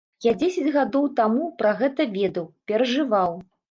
Я дзесяць гадоў таму пра гэта ведаў, перажываў.